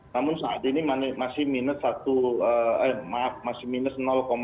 namun saat ini masih minus sembilan